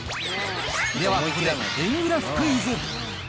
では、ここで円グラフクイズ。